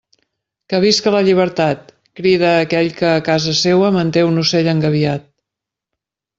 Que visca la llibertat, crida aquell que, a casa seua, manté un ocell engabiat.